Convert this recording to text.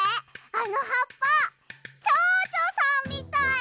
あのはっぱちょうちょさんみたい。